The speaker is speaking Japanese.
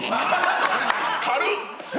軽っ！